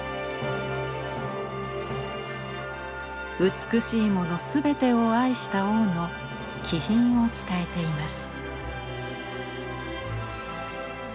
美しいものすべてを愛した王の気品を伝えています。